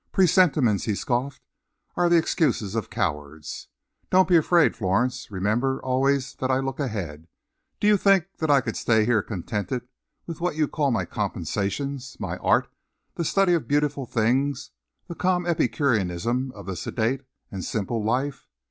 "Presentiments," he scoffed, "are the excuses of cowards. Don't be afraid, Florence. Remember always that I look ahead. Do you think that I could stay here contented with what you call my compensations my art, the study of beautiful things, the calm epicureanism of the sedate and simple life?